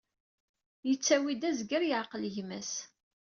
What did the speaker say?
Yettawi-d: azger yeɛqel gma-s.